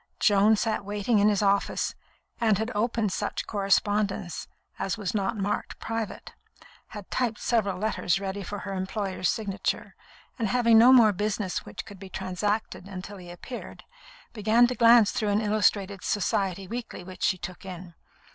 Joan sat waiting in his office, and had opened such correspondence as was not marked "Private," had typed several letters ready for her employer's signature, and having no more business which could be transacted until he appeared, began to glance through an illustrated Society weekly which she took in.